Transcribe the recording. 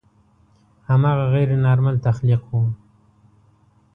هماغه غیر نارمل تخلیق و.